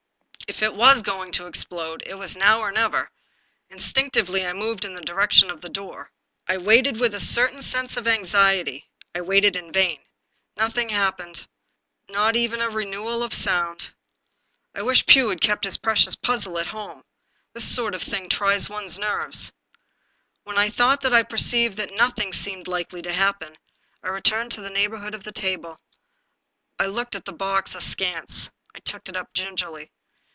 If it was going to explode, it was now or never. Instinctively I moved in the direction of the door. I waited with a certain sense of anxiety. I waited in vain. Nothing happened, not even a renewal of the sound, " I wish Pugh had kept his precious puzzle at home. This isort of thing tries one's nerves." When I thought that I perceived that nothing seemed likely to happen, I returned to the neighborhood of the table. I looked at the box askance. I took it up gingerly.